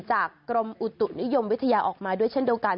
กรมอุตุนิยมวิทยาออกมาด้วยเช่นเดียวกัน